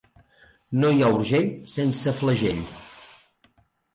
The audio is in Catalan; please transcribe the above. No hi ha Urgell sense flagell.